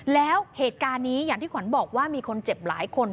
แล้วเหตุการณ์นี้อย่างที่ขวัญบอกว่ามีคนเจ็บหลายคน